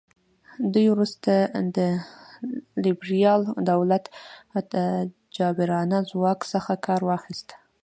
دوی وروسته د لیبرال دولت جابرانه ځواک څخه کار واخیست.